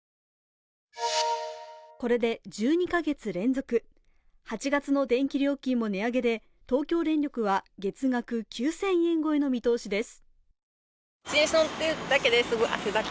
これで１２カ月連続８月の電気料金も値上げで東京電力は月額９０００円超えの見通しです。